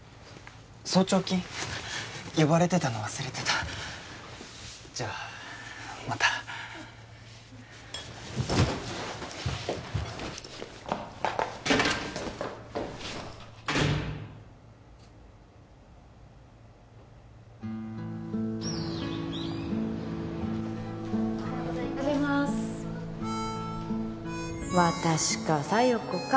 早朝勤呼ばれてたの忘れてたじゃあまたおはようございますおはようございます私か沙世子か